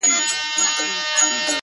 د دې مئين سړي اروا چي څوک په زړه وچيچي’